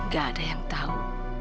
gak ada yang tahu